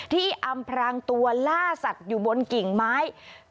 อำพรางตัวล่าสัตว์อยู่บนกิ่งไม้